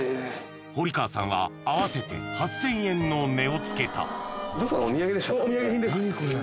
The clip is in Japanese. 堀川さんは合わせて８０００円の値を付けたお土産品です